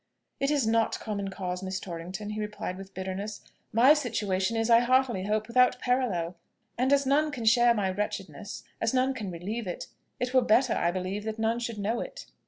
"It is not common cause, Miss Torrington," he replied with bitterness. "My situation is, I heartily hope, without a parallel; and as none can share my wretchedness, as none can relieve it, it were better, I believe, that none should know it."